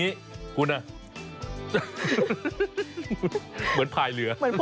เอาคุณฝั่งหนึ่งฉันฝั่งหนึ่ง